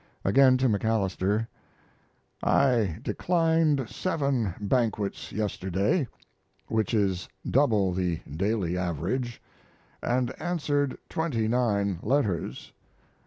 Again to MacAlister: I declined 7 banquets yesterday (which is double the daily average) & answered 29 letters.